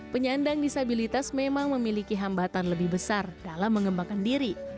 penyandang disabilitas memang memiliki hambatan lebih besar dalam mengembangkan diri